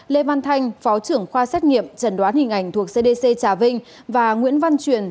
lê văn thanh phó trưởng khoa xét nghiệm trần đoán hình ảnh thuộc cdc trà vinh và nguyễn văn truyền